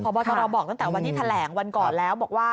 เพราะว่าตอนเราบอกตั้งแต่วันนี้แถลงวันก่อนแล้วบอกว่า